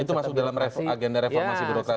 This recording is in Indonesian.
itu masuk dalam agenda reformasi birokrasi